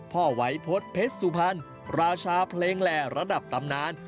พ่อไวพจิเพชรสุพรรณราชาเพลงแลระระดับตำนาน